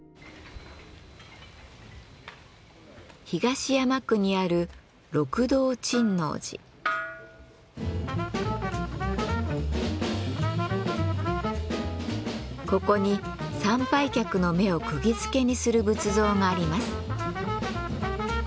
東山区にあるここに参拝客の目をくぎづけにする仏像があります。